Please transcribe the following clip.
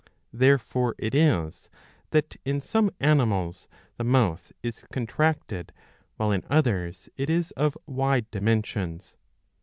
Therefore it is that in some animals the mouth is contracted, while in others it is of wide dimensions.